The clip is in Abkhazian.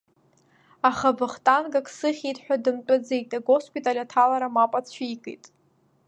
Аха Вахтанг ак сыхьит ҳәа дымтәаӡеит, агоспиталь аҭалара мап ацәикит.